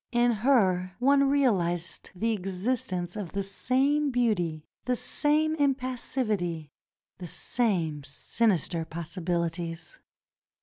In her one realized the existence of the same beauty, the same impassivity, the same sinister possibilities.